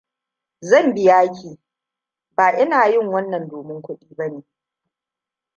"Zan biya ki. ""Ba ina yin wannan domin kuɗi ba ne."""